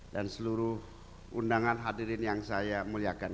dan seluruh undangan hadirin yang saya muliakan